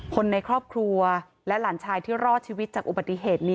คนในครอบครัวและหลานชายที่รอดชีวิตจากอุบัติเหตุนี้